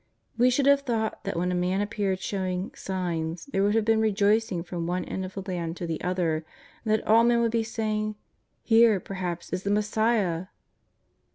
We should have thought that when a Man appeared showing ^' signs " there would have been rejoicing from one end of the land to the other, and that all men would be saying :" Here, perhaps, is the Messiah